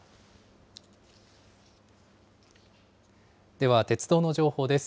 では、鉄道の情報です。